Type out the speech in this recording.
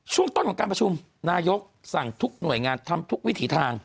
ช่วงต้นของการประชุมนายกสั่งทุกหน่วยงานทำทุกวิถีทาง